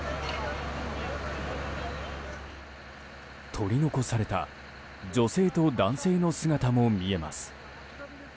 取り残された女性と男性の姿も見えます。